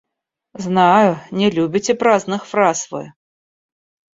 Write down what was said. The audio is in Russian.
Знаю, не любите праздных фраз вы.